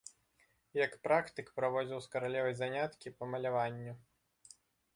Як практык праводзіў з каралевай заняткі па маляванню.